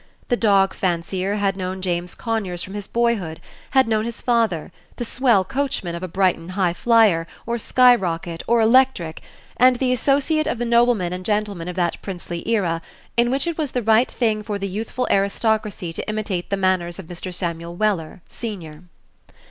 The dog fancier had known James Conyers from his boyhood; had known his father, the "swell" coachman of a Brighton Highflyer, or Sky rocket, or Electric, and the associate of the noblemen and gentlemen of that princely era, in which it was the right thing for the youthful aristocracy to imitate the manners of Mr. Samuel Weller, senior.